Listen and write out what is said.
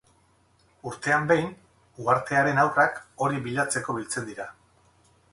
Urtean behin uhartearen haurrak hori bilatzeko biltzen dira.